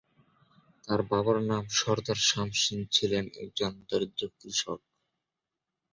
তাঁর বাবার নাম সর্দার শাম সিং ছিলেন একজন দরিদ্র কৃষক।